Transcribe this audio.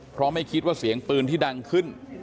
เพราะไม่คิดว่าเสียงปืนที่ดังขึ้น